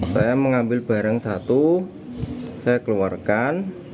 saya mengambil barang satu saya keluarkan